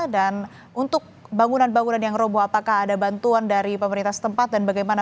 dan untuk bangunan bangunan yang romo apakah ada bantuan dari pemerintah setempat dan bagaimana